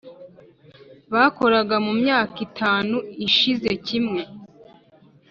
bakoraga mu myaka itanu ishize kimwe